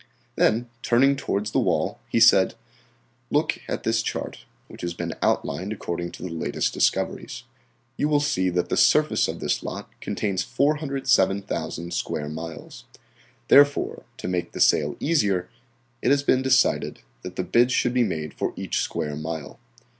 Then, turning towards the wall, he said "Look at this chart, which has been outlined according to the latest discoveries. You will see that the surface of this lot contains 407,000 square miles. Therefore, to make the sale easier, it has been decided that the bids should be made for each square mile.